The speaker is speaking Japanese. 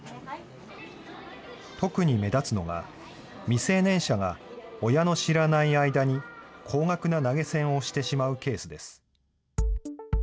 特に目立つのが、未成年者が親の知らない間に高額な投げ銭をしてしまうケースです。